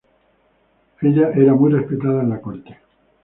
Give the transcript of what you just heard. Ella era muy respetada en la corte.